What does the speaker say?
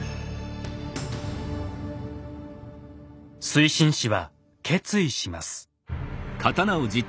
水心子は決意します。